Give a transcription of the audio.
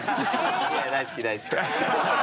いや、大好き大好き。